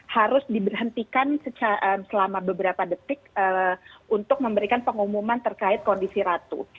harus diberhentikan selama beberapa detik untuk memberikan pengumuman terkait kondisi ratu